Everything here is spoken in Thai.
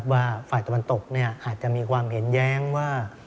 ว่าฝ่ายตะวันตกอาจจะมีความเห็นแย้งว่า